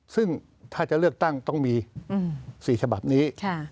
ซึ่งถ้าจะเลือกตั้งต้องมี๔ฉบับนี้